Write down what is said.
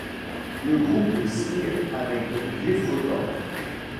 Le groupe signe avec Griffe Records.